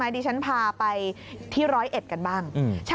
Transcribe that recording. เดี๋ยวเราไปที่ร้อยเอ็ดกันบ้าง